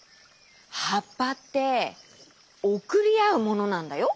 はっぱっておくりあうものなんだよ！